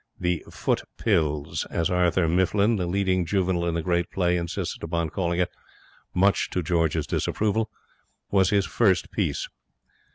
The Footpills as Arthur Mifflin, the leading juvenile in the great play, insisted upon calling it, much to George's disapproval was his first piece.